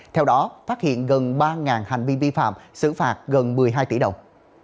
theo đó phát hiện gần ba hành vi vi phạm xử phạt gần một mươi hai tỷ đồng